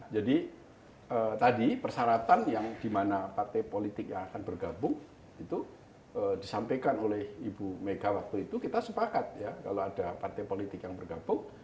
jadi tadi persyaratan yang dimana partai politik yang akan bergabung itu disampaikan oleh ibu mega waktu itu kita sepakat ya kalau ada partai politik yang bergabung